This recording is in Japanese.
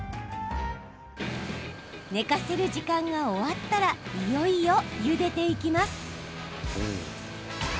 寝かせる時間が終わったらいよいよ、ゆでていきます。